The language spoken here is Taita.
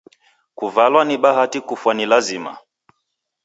Kuvalwa ni bahati kufwa ni lazima.